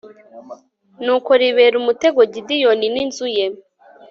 nuko ribera umutego gideyoni n'inzu ye